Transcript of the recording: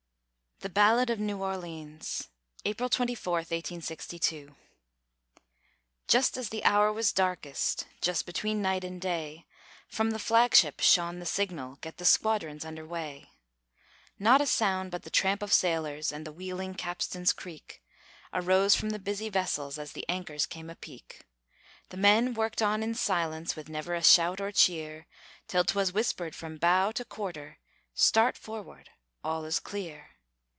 THE BALLAD OF NEW ORLEANS [April 24, 1862] Just as the hour was darkest, Just between night and day, From the flag ship shone the signal, "Get the squadrons under way." Not a sound but the tramp of sailors, And the wheeling capstan's creak, Arose from the busy vessels As the anchors came apeak. The men worked on in silence, With never a shout or cheer, Till 'twas whispered from bow to quarter: "Start forward! all is clear."